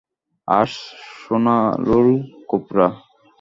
আস সুনানুল কুবরা